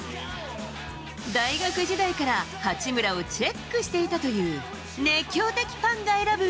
大学時代から、八村をチェックしていたという熱狂的ファンが選ぶ